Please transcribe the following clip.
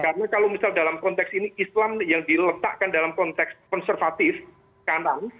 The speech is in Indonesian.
karena kalau misal dalam konteks ini islam yang diletakkan dalam konteks konservatif kanan